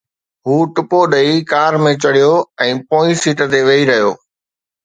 هو ٽپو ڏئي ڪار ۾ چڙهيو ۽ پوئين سيٽ تي ويهي رهيو.